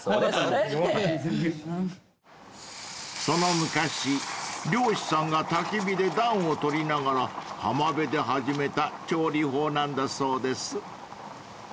［その昔漁師さんがたき火で暖を取りながら浜辺で始めた調理法なんだそうです］